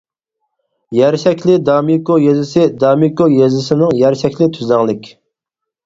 يەر شەكلى دامىكۇ يېزىسى دامىكۇ يېزىسىنىڭ يەر شەكلى تۈزلەڭلىك.